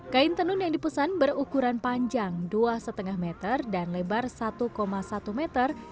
kain tenun yang dipesan berukuran panjang dua lima meter dan lebar satu satu meter